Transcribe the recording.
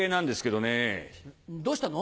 どうしたの？